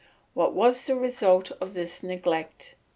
What was the result of this neglect?